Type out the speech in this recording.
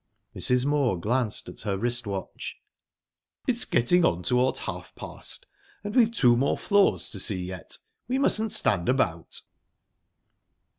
Mrs. Moor glanced at her wrist watch. "It's getting on towards half past, and we've two more floors to see yet. We mustn't stand about."